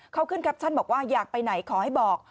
เขาขึ้นแคปชั่นบอกว่าอยากไปไหนขอให้บอก